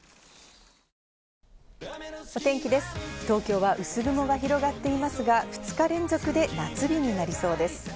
東京は薄雲が広がっていますが、２日連続で夏日になりそうです。